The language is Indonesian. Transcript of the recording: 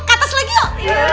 ke atas lagi yuk